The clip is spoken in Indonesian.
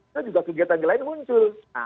tadi juga kegiatan lain muncul